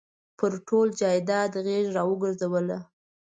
پر ټول جایداد غېږ را ورګرځوله.